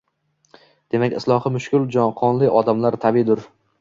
Demak islohi mushkul qonli odamlar tabiiydur